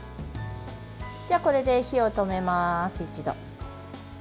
これで一度火を止めます。